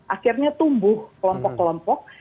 akhirnya tumbuh kelompok kelompok